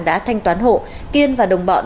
đã thanh toán hộ kiên và đồng bọn